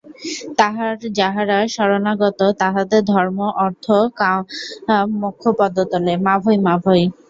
তাঁহার যাহারা শরণাগত, তাহাদের ধর্ম অর্থ কাম মোক্ষ পদতলে, মাভৈ মাভৈঃ।